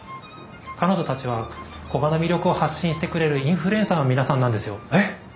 彼女たちは古河の魅力を発信してくれるインフルエンサーの皆さんなんですよ。えっ！